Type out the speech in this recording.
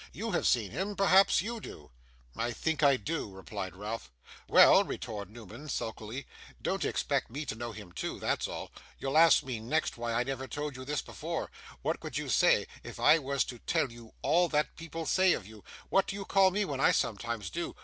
You have seen him; perhaps YOU do.' 'I think I do,' replied Ralph. 'Well,' retored Newman, sulkily, 'don't expect me to know him too; that's all. You'll ask me, next, why I never told you this before. What would you say, if I was to tell you all that people say of you? What do you call me when I sometimes do?